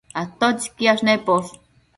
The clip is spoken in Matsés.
¿atotsi quiash neposh?